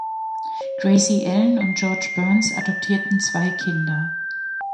Gracie Allen und George Burns adoptierten zwei Kinder.